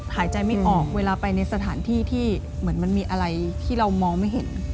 หายใจไม่ออกเวลาไปในสถานที่มีอะไรที่มองไม่เห็น